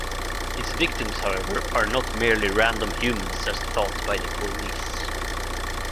His victims however, are not merely random humans as thought by the police.